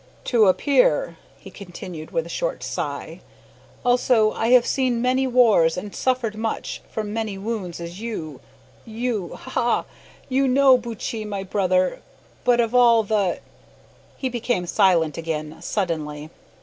"To appear," he continued with a short sigh; "also, I have seen many wars and suffered much from many wounds as you you ha! you know, Buttchee, my brother, but of all the " He became silent again suddenly.